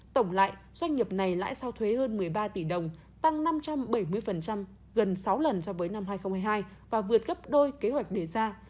tổng lại doanh nghiệp này lãi sau thuế hơn một mươi ba tỷ đồng tăng năm trăm bảy mươi gần sáu lần so với năm hai nghìn hai mươi hai và vượt gấp đôi kế hoạch đề ra